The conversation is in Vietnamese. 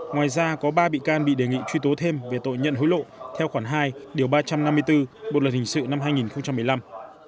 ngoài ra có ba bị can bị đề nghị truy tố thêm về tội nhận hối lộ theo khoảng hai ba trăm năm mươi bốn bộ luật hình sự năm hai nghìn một mươi năm